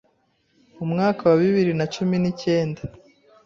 Umwaka wa bibiri na cumi n’icyenda